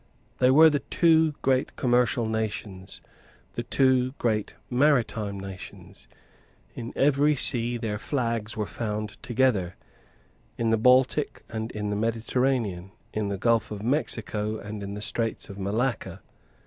They were the two great commercial nations, the two great maritime nations. In every sea their flags were found together, in the Baltic and in the Mediterranean, in the Gulf of Mexico and in the Straits of Malacca.